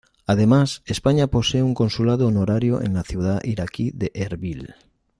Además, España posee un consulado honorario en la ciudad iraquí de Erbil.